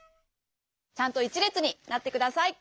ちゃんと１れつになってください。